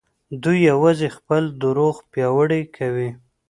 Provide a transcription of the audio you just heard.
دوی يوازې خپل دروغ پياوړي کوي.